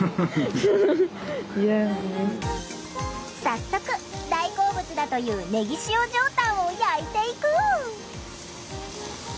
早速大好物だというねぎ塩上タンを焼いていく！